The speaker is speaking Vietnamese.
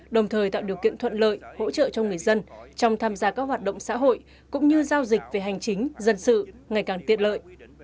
đồng thời tạo điều kiện thuận lợi hỗ trợ cho người dân trong tham gia các hoạt động xã hội cũng như giao dịch về hành chính dân sự ngày càng tiện lợi